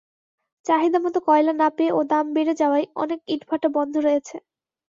চাহিদামতো কয়লা না পেয়ে ও দাম বেড়ে যাওয়ায় অনেক ইটভাটা বন্ধ রয়েছে।